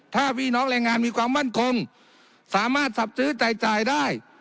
ถ้าพี่น้องแรงงานมีความมั่นคงสามารถสับซื้อจ่ายได้